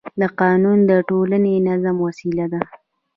قانون د ټولنې د نظم وسیله ده